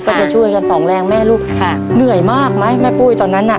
จะช่วยกันสองแรงแม่ลูกค่ะเหนื่อยมากไหมแม่ปุ้ยตอนนั้นน่ะ